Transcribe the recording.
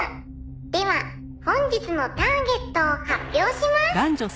「では本日のターゲットを発表します！」